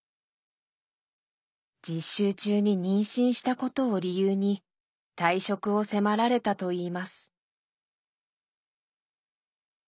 実習中に妊娠したことを理由に退職を迫られたといいます。